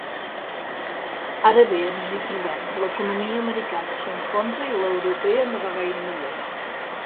Ara bé, ens hi trobem: l'economia americana s'enfonsa i l'europea no val gaire millor.